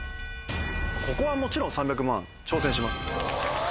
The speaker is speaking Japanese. ここはもちろん３００万挑戦します。